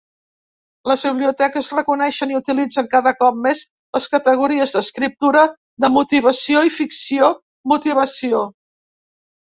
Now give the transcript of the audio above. Les biblioteques reconeixen i utilitzen cada cop més les categories d'escriptura de motivació i ficció de motivació.